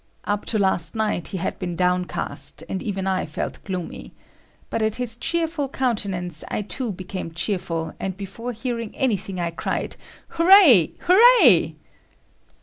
Up to last night, he had been downcast, and even I felt gloomy. But at his cheerful countenance, I too became cheerful, and before hearing anything, I cried, "Hooray! Hooray!"